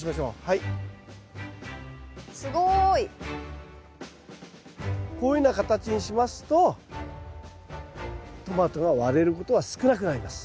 すごい。こういうふうな形にしますとトマトが割れることは少なくなります。